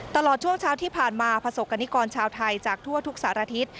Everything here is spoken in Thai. ตลอดช่วงเช้าที่ผ่านมาประสบกรณิกรชาวไทยจากทั่วทุกสารทิศ